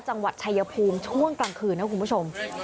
จังหวัดชายภูมิช่วงกลางคืนนะคุณผู้ชม